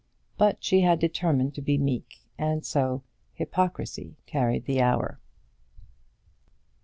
But she had determined to be meek, and so hypocrisy carried the hour.